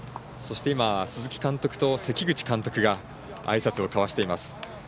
そして鈴木監督と関口監督があいさつを交わしています。